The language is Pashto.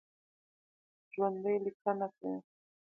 ژوندي لیکنه کوي